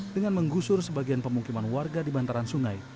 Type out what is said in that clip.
dengan menggusur sebagian pemukiman warga di bantaran sungai